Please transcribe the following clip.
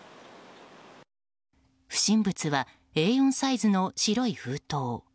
不審物はＡ４サイズの白い封筒。